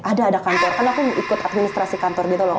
ada ada kantor kan aku mau ikut administrasi kantor gitu loh